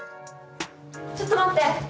ちょっと待って！